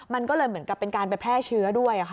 มันก็เลยเหมือนกับเป็นการไปแพร่เชื้อด้วย